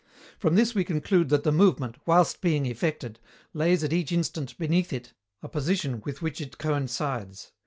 From this we conclude that the movement, whilst being effected, lays at each instant beneath it a position with which it coincides.